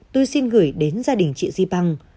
tôi xin gửi đến gia đình chị zibang